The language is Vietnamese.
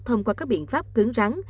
thông qua các biện pháp cứng rắn